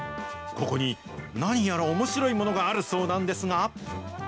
ここに何やらおもしろいものがあるそうなんですが。